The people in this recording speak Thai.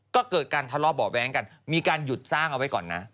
ก็เกิดการทะเลาะเบาะแว้งกันมีการหยุดสร้างเอาไว้ก่อนนะ